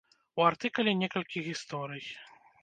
У артыкуле некалькі гісторый.